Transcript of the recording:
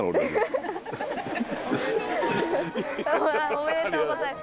おめでとうございます。